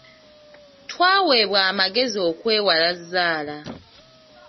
Twaweebwa amagezi okwewala zzaala.